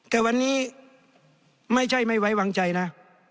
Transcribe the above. แต่วันนี้ไม่ใช่ไม่ไว้วางใจนะ